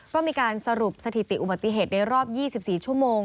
ก็มีการสรุปสถิติอุบัติเหตุในรอบ๒๔ชั่วโมง